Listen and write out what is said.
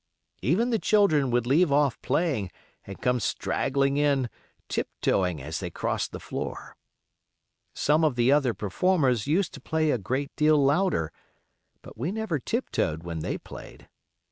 Even the children would leave off playing, and come straggling in, tiptoeing as they crossed the floor. Some of the other performers used to play a great deal louder, but we never tiptoed when they played.